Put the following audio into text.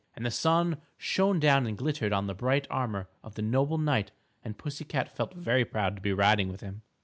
And the sun shone down and glittered on the bright armor of the noble knight and pussy cat felt very proud to be riding with him.